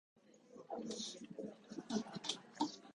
こなし作業